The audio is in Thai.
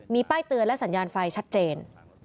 มีป้ายเตือนและสัญญาณไฟชัดเจน